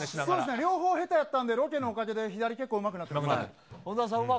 両方、下手だったのでロケのおかげで左、結構うまくなってますね。